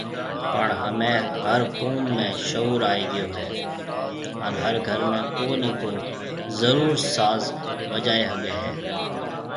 پڻ همي هر قوم شعور آئي گيو هي هان هر گھر ۾ ڪو ني ڪو ضرور ساز بجائي ۿگھيَََ هي۔